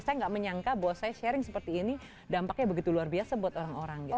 saya nggak menyangka bahwa saya sharing seperti ini dampaknya begitu luar biasa buat orang orang gitu